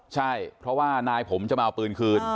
ใช่เพราะว่านายผมจะมาเอาปืนคืน